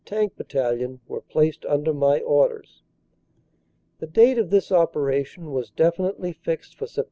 Tank Battalion were placed under my orders. "The date of this operation was definitely fixed for Sept.